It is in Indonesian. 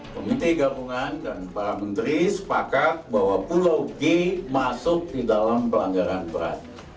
komite gabungan dan para menteri sepakat bahwa pulau g masuk di dalam pelanggaran berat